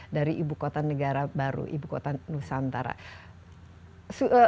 dari ibu kota negara baru ibu kota nusantara